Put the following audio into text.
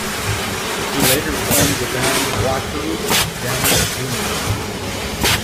He later formed the band Wha-Koo with Danny Douma.